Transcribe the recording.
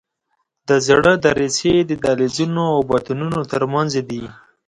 د زړه دریڅې د دهلیزونو او بطنونو تر منځ دي.